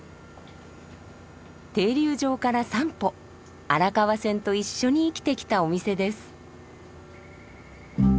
停留場から三歩荒川線と一緒に生きてきたお店です。